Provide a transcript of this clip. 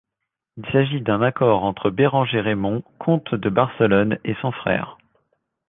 Il s'agit d'un accord entre Béranger Raimond, comte de Barcelone et son frère.